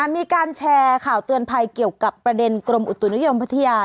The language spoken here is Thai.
มีการแชร์ข่าวเตือนภัยเกี่ยวกับประเด็นกรมอุตุนิยมพัทยา